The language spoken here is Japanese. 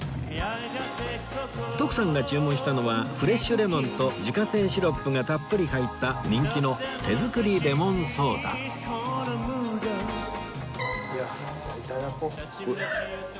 徳さんが注文したのはフレッシュレモンと自家製シロップがたっぷり入った人気の手作りレモンソーダじゃあ頂こう。